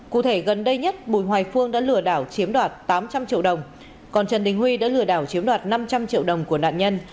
cụ thể gần đây nhất bùi hoài phương đã lừa đảo chiếm đoạt tám trăm linh triệu đồng còn trần đình huy đã lừa đảo chiếm đoạt năm trăm linh triệu đồng của nạn nhân